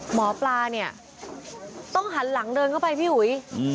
หมอปลาเนี่ยต้องหันหลังเดินเข้าไปพี่อุ๋ย